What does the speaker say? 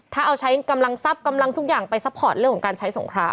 ถ้าเอาใช้กำลังทรัพย์กำลังทุกอย่างไปซัพพอร์ตเรื่องของการใช้สงคราม